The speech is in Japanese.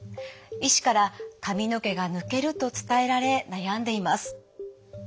医師から髪の毛が抜けると伝えられ悩んでいます。